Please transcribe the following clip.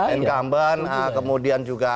incumbent kemudian juga